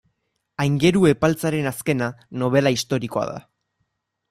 Aingeru Epaltzaren azkena, nobela historikoa da.